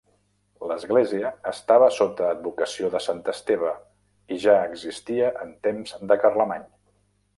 L'església estava sota advocació de Sant Esteve i ja existia en temps de Carlemany.